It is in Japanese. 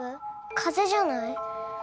風邪じゃない？